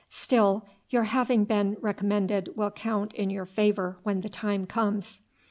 Still, your having been recommended will count in your favour when the time comes."